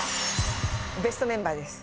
ベストメンバーです。